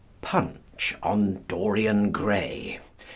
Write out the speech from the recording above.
"_ PUNCH on "DORIAN GRAY."